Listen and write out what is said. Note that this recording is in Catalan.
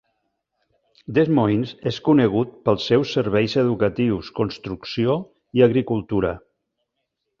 Des Moines és conegut pels seus serveis educatius, construcció i agricultura.